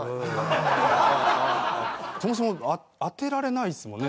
そもそも当てられないですもんね。